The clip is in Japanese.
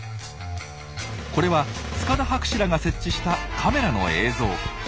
これは塚田博士らが設置したカメラの映像。